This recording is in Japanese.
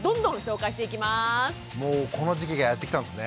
もうこの時期がやって来たんですね。